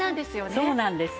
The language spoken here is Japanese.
そうなんです。